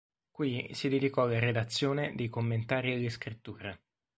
Qui si dedicò alla redazione dei commentari alle Scritture.